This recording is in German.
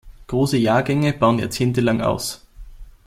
Große Jahrgänge bauen jahrzehntelang aus.